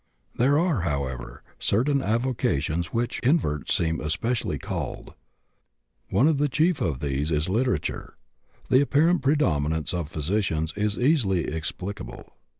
There are, however, certain avocations to which inverts seem especially called. One of the chief of these is literature. The apparent predominance of physicians is easily explicable.